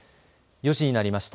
４時になりました。